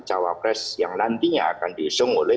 cawapres yang nantinya akan diusung oleh